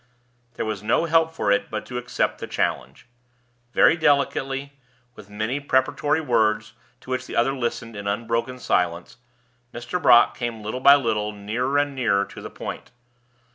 There was no help for it but to accept the challenge. Very delicately, with many preparatory words, to which the other listened in unbroken silence, Mr. Brock came little by little nearer and nearer to the point.